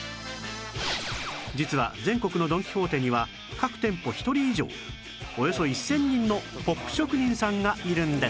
実は全国のドン・キホーテには各店舗１人以上およそ１０００人の ＰＯＰ 職人さんがいるんです